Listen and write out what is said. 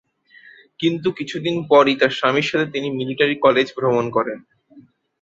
কিন্তু কিছুদিন পরই তার স্বামীর সাথে তিনি মিলিটারি কলেজ ভ্রমণ করেন।